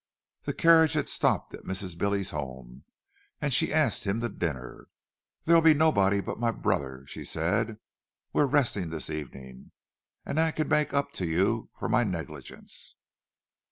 The carriage had stopped at Mrs. Billy's home, and she asked him to dinner. "There'll be nobody but my brother," she said,—"we're resting this evening. And I can make up to you for my negligence!"